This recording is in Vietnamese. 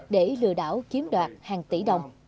để lừa đảo kiếm đoạt hàng tỷ đồng